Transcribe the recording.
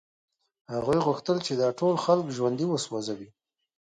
هغوی غوښتل چې دا ټول خلک ژوندي وسوځوي